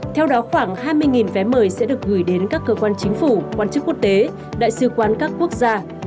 theo đó khoảng hai mươi vé mời sẽ được gửi đến các cơ quan chính phủ quan chức quốc tế đại sứ quán các quốc gia